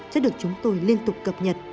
sẽ được chúng tôi liên tục cập nhật